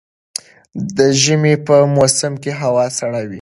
د ژمي په موسم کي هوا سړه وي